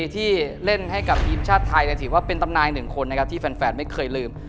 ที่เล่นให้กับทีมชาติไทยถือว่าเป็นตำนายหนึ่งคนนะครับที่แฟนไม่เคยลืม